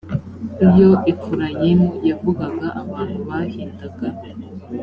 iyo efurayimu yavugaga abantu bahindaga